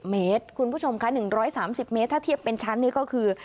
เมตรคุณผู้ชมค่ะ๑๓๐เมตรถ้าเทียบเป็นชั้นนี่ก็คือ